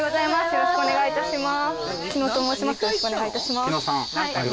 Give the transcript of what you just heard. よろしくお願いします